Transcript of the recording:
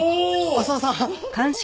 浅輪さん！